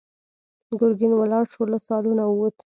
ګرګين ولاړ شو، له سالونه ووت.